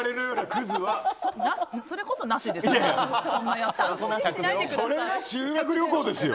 それこそなしですよ。